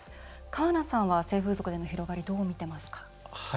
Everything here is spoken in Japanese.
川名さんは性風俗での広がりをどう見ていますか？